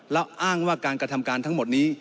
แล้วอ้างว่าการกระทำการทั้งหมดนี้